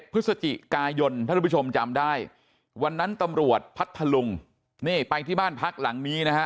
พฤศจิกายนท่านผู้ชมจำได้วันนั้นตำรวจพัทธลุงนี่ไปที่บ้านพักหลังนี้นะฮะ